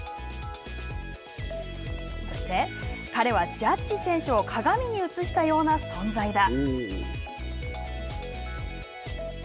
そして、彼はジャッジ選手を鏡に映したような存在だ。